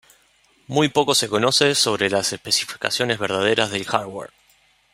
Muy poco se conoce sobre las especificaciones verdaderas del hardware.